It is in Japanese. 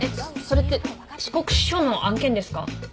それって四国支所の案件ですか？